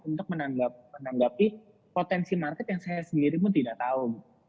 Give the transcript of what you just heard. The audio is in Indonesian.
untuk menanggapi potensi market yang saya sendiri pun tidak tahu